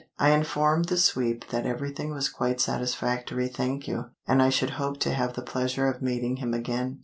I informed the sweep that everything was quite satisfactory thank you, and I should hope to have the pleasure of meeting him again.